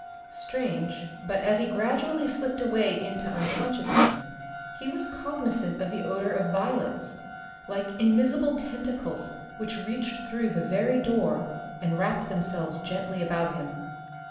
Strange, but as he gradually slipped away into unconsciousness he was cognizant of the odor of violets like invisible tentacles which reached through the very door and wrapped themselves gently about him.